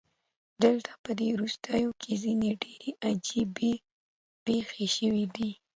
دلته پدې وروستیو کې ځینې ډیرې عجیبې پیښې شوې دي